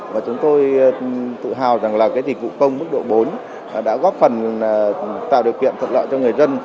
và chúng tôi tự hào rằng là cái dịch vụ công mức độ bốn đã góp phần tạo điều kiện thuận lợi cho người dân